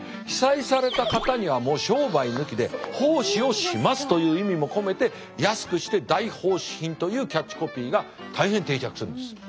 被災された方にはもう商売抜きで奉仕をしますという意味も込めて安くして大奉仕品というキャッチコピーが大変定着するんです。